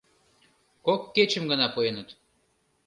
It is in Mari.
Кок кечым гына пуэныт.